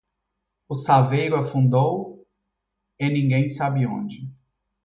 O saveiro afundou é ninguém sabe onde.